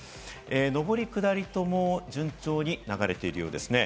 上り・下りとも順調に流れているようですね。